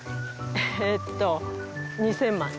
えーっと２０００万。